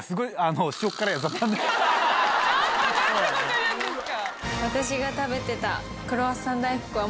何てこと言うんですか！